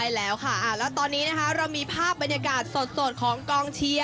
ใช่แล้วค่ะแล้วตอนนี้นะคะเรามีภาพบรรยากาศสดของกองเชียร์